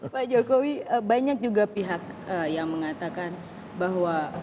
pak jokowi banyak juga pihak yang mengatakan bahwa